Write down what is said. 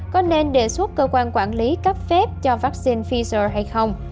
có nên đề xuất cơ quan quản lý cấp phép cho vaccine fiser hay không